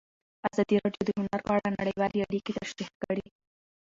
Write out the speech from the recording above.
ازادي راډیو د هنر په اړه نړیوالې اړیکې تشریح کړي.